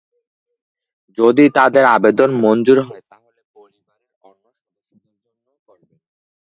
যদি তাঁদের আবেদন মঞ্জুর হয়, তাহলে পরিবারের অন্য সদস্যদের জন্যও করবেন।